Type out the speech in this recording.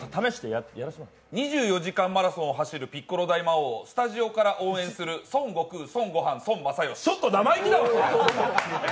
２４時間マラソンを走るピッコロ大魔王をスタジオから応援する孫悟空、孫悟飯、孫正義。